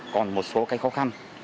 còn một số cái khó khăn